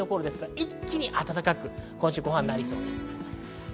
一気に温かく、今週後半はなりそうです。